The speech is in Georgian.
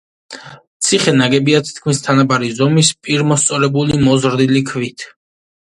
ციხე ნაგებია თითქმის თანაბარი ზომის, პირმოსწორებული მოზრდილი ქვით.